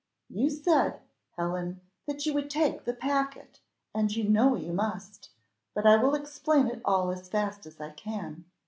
"You said, Helen, that you would take the packet, and you know you must; but I will explain it all as fast as I can.